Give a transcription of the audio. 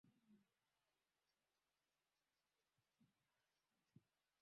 Baada ya kupotea akajikuta amefika katika naeneo ya ujiji